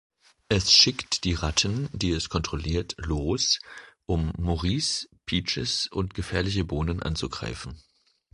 Es schickt die Ratten, die es kontrolliert, los, um Maurice, Peaches und Gefährliche Bohnen anzugreifen.